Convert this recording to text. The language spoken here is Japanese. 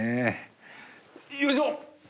よいしょ！